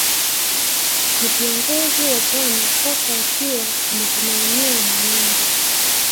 Ni kiongozi wa chama sasa akiwa ametumainiwa na wengi